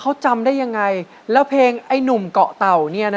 เขาจำได้ยังไงแล้วเพลงไอ้หนุ่มเกาะเต่าเนี่ยนะ